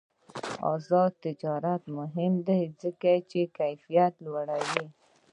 آزاد تجارت مهم دی ځکه چې کیفیت لوړوي.